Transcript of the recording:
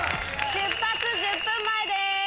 出発１０分前です！